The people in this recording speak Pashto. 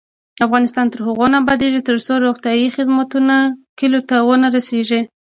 افغانستان تر هغو نه ابادیږي، ترڅو روغتیایی خدمتونه کلیو ته ونه رسیږي.